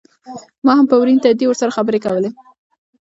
ما هم په ورين تندي ورسره خبرې کولې.